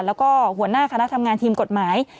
แล้วก็หัวหน้าคณะทำงานทีมกฎหมาย